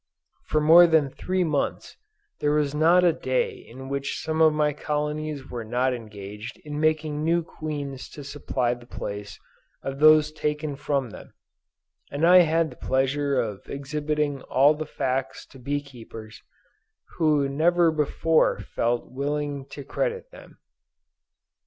For more than three months, there was not a day in which some of my colonies were not engaged in making new queens to supply the place of those taken from them, and I had the pleasure of exhibiting all the facts to bee keepers who never before felt willing to credit them.